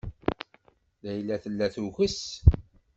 Layla tella tuges.